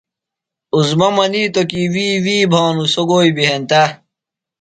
عظمیٰ منِیتوۡ کی وی وی بھانُوۡ، سوۡ گوئی بیۡ ہنتہ۔